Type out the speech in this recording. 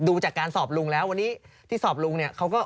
จากการสอบลุงแล้ววันนี้ที่สอบลุงเนี่ยเขาก็